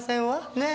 ねえ。